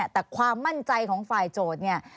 แต่ความมั่นใจของฝ่ายโจทย์เนี่ย